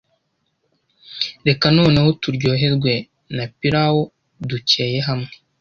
Reka noneho turyoherwe na Pilao dutekeye hamwe